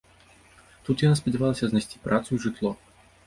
Тут яна спадзявалася знайсці працу і жытло.